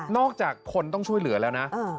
อกจากคนต้องช่วยเหลือแล้วนะ